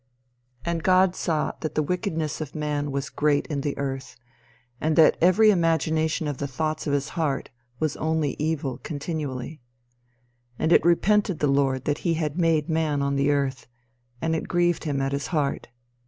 "And God saw that the wickedness of man was great in the earth, and that every imagination of the thoughts of his heart was only evil continually. "And it repented the Lord that he had made man on the earth, and it grieved him at his heart.